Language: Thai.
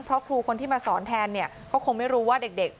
เพราะครูคนที่มาสอนแทนเนี่ยก็คงไม่รู้ว่าเด็ก